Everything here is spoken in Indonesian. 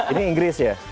ini inggris ya